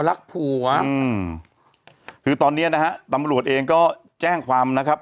รักผัวอืมคือตอนเนี้ยนะฮะตำรวจเองก็แจ้งความนะครับ